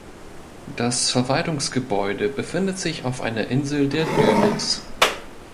Das Verwaltungsgebäude befindet sich auf einer Insel der Dömitz.